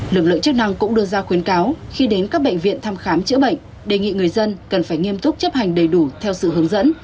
lực lượng chức năng cũng đưa ra khuyến cáo khi đến các bệnh viện thăm khám chữa bệnh đề nghị người dân cần phải nghiêm túc chấp hành đầy đủ theo sự hướng dẫn